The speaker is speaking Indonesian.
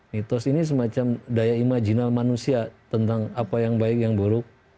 mitos ini semacam daya imajinal manusia tentang apa yang baik yang buruk